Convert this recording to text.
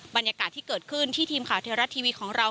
บรรยากาศที่เกิดขึ้นที่ทีมข่าวเทวรัฐทีวีของเรา